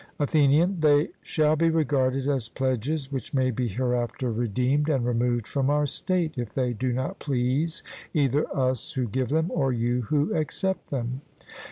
ATHENIAN: They shall be regarded as pledges which may be hereafter redeemed and removed from our state, if they do not please either us who give them, or you who accept them.